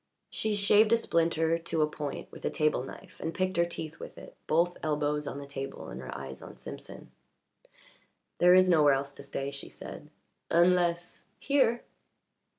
She shaved a splinter to a point with a table knife and picked her teeth with it, both elbows on the table and her eyes on Simpson. "There is nowhere else to stay," she said. "Unless here."